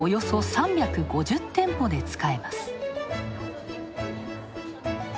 およそ３５０店舗で使えます。